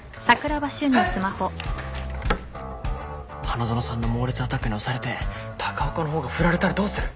花園さんの猛烈アタックに押されて高岡の方がふられたらどうする？